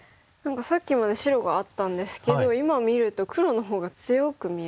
さっきまで白があったんですけど今見ると黒のほうが強く見えますね。ですよね。